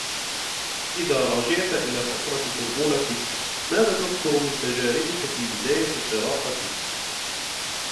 إذا رجعت إلى فترة طفولتك ، ماذا تذكر من تجاربك في بداية قراءاتك ؟